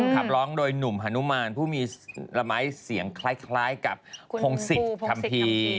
คับร้องโดยหนุ่มฮานุมานผู้มีละไม้เสียงคล้ายคล้ายกับทำภีร์